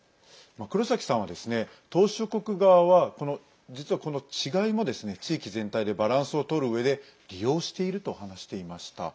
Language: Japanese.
黒崎さんは、島しょ国側は実は、この違いも地域全体でバランスをとるうえで利用していると話していました。